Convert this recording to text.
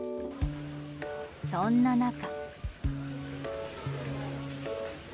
そんな中。